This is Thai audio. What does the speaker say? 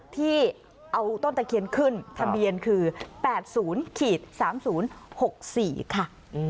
ที่เอาต้นตะเคียนขึ้นทะเบียนคือแปดศูนย์ขีดสามศูนย์หกสี่ค่ะ